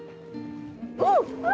おっ！